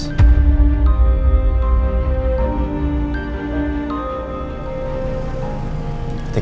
ketika elsa menangis